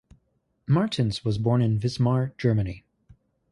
Martens was born in Wismar, Germany.